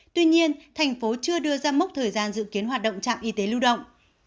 tuy nhiên thành phố chưa đưa ra mốc thời gian dự kiến hoạt động trạm y tế lưu động